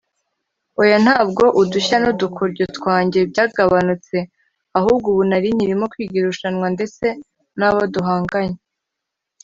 “Oya ntabwo udushya n’udukoryo twanjye byagabanyutse ahubwo ubu nari nkirimo kwiga irushanwa ndetse n’abo duhanganye